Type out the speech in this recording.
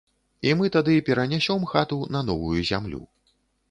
І мы тады перанясём хату на новую зямлю.